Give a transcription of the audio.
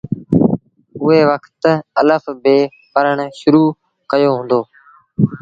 اُئي وکت الڦ بي پڙهڻ شرو ڪيو هُݩدو۔